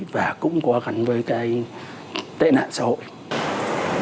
và cũng có gắn với cái tệ nạn xã hội